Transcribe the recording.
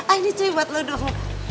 oh ini cuy buat lo dong